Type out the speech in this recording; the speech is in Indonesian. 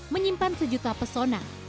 menyimpan sejuta pesona